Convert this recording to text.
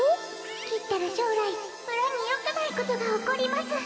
きったらしょうらい村によくないことがおこります。